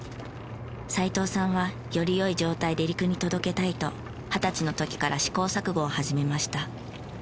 齋藤さんはよりよい状態で陸に届けたいと二十歳の時から試行錯誤を始めました。